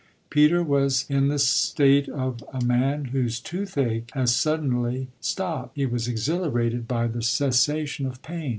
Peter was in the state of a man whose toothache has suddenly stopped he was exhilarated by the cessation of pain.